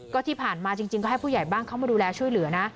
ก็ที่ผ่านมาจริงก็ให้ผู้ใหญ่บ้านเข้ามาดูแลช่วยเหลือนะ